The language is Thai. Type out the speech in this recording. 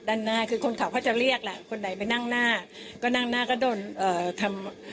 เด็กก็เลยบอกโดนถูกกระทำ